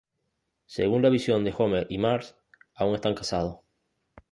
Según la visión, Homer y Marge aún están casados.